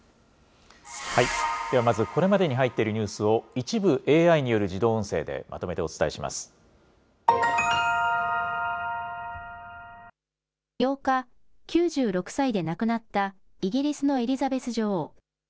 ではまず、これまでに入っているニュースを、一部ＡＩによる８日、９６歳で亡くなったイギリスのエリザベス女王。